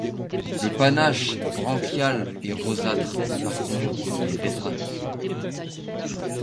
Le panache branchiale est rosâtre mais par contre il est rétractile.